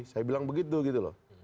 saya bilang begitu gitu loh